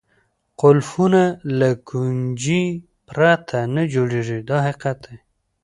قلفونه له کونجۍ پرته نه جوړېږي دا حقیقت دی.